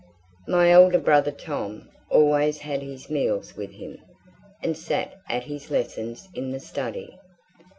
My elder brother Tom always had his meals with him, and sat at his lessons in the study.